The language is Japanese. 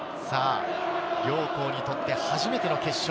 両校にとって初めての決勝。